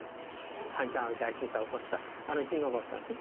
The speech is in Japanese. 阪神・淡路大震災を起こした、あの地震が起こったんですね。